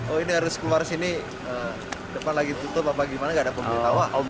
oh ini harus keluar sini depan lagi tutup apa gimana gak ada pemberitahuan